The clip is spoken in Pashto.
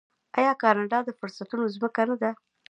آیا کاناډا د فرصتونو ځمکه نه ده؟